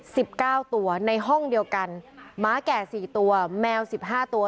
สิบเก้าตัวในห้องเดียวกันหมาแก่สี่ตัวแมวสิบห้าตัว